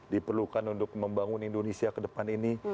diperlukan untuk membangun indonesia ke depan ini